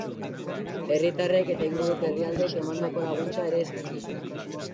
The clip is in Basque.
Herritarrek eta inguruko herrialdeek emandako laguntza ere eskertu zuen.